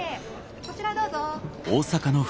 こちらへどうぞ。